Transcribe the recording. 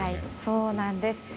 そうなんです。